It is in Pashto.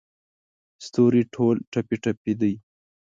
ستوري ټول ټپې، ټپي دی